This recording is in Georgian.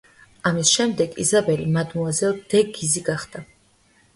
ამის შემდეგ იზაბელი მადმუაზელ დე გიზი გახდა.